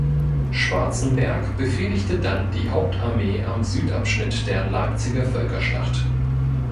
Schwarzenberg befehligte dann die Hauptarmee am Südabschnitt der Leipziger Völkerschlacht.